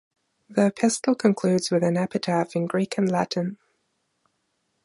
The epistle concludes with an epitaph in Greek and Latin.